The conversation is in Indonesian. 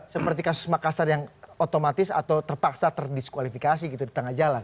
seperti kasus makassar yang otomatis atau terpaksa terdiskualifikasi gitu di tengah jalan